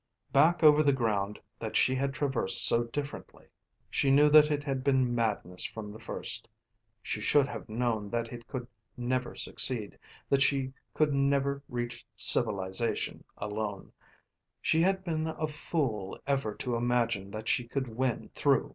Back over the ground that she had traversed so differently. She knew that it had been madness from the first. She should have known that it could never succeed, that she could never reach civilisation alone. She had been a fool ever to imagine that she could win through.